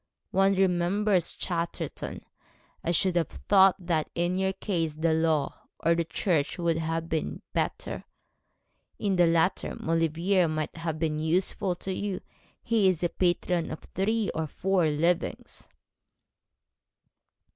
One remembers Chatterton. I should have thought that in your case the law or the church would have been better. In the latter Maulevrier might have been useful to you. He is patron of three or four livings.'